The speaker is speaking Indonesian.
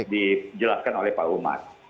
dijelaskan oleh pak umar